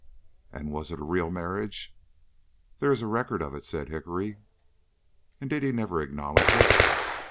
"And was it a real marriage?" "There is a record of it," said Hickory. "And did he never acknowledge it?"